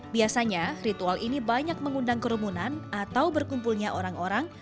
biasanya ritual ini banyak mengundang kerumunan atau berkumpulnya orang orang